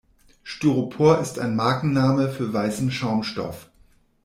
Styropor ist ein Markenname für weißen Schaumstoff.